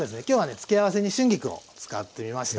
付け合わせに春菊を使ってみました。